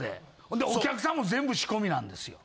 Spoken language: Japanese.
ほんでお客さんも全部仕込みなんですよ。